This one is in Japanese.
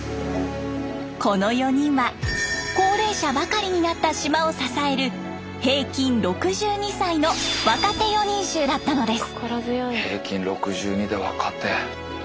この４人は高齢者ばかりになった島を支える平均６２歳の若手四人衆だったのです。